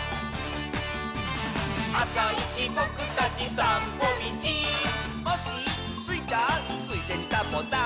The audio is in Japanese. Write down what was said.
「あさいちぼくたちさんぽみち」「コッシースイちゃん」「ついでにサボさん」